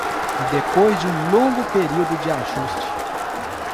E depois de um longo período de ajuste